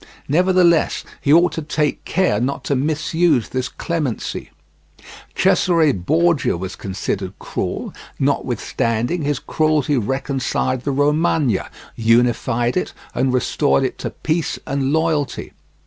Nevertheless he ought to take care not to misuse this clemency. Cesare Borgia was considered cruel; notwithstanding, his cruelty reconciled the Romagna, unified it, and restored it to peace and loyalty.